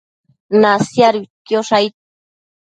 Nasiaduidquiosh aid